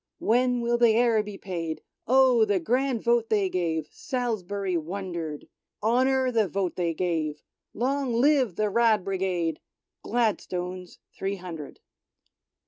When will they e'er be paid ? Oh, the grand vote they gave ! Salisbury wondered ! Honour the vote they gave ! Long live the " Rad. '' Brigade ! Gladstone's three hundred.